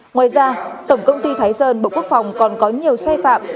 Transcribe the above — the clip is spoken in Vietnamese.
ngoài ra tổng công ty thái sơn bộ quốc phòng còn có nhiều sai phạm